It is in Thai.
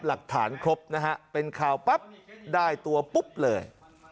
หลักฐานครบนะฮะเป็นข่าวปั๊บได้ตัวปุ๊บเลย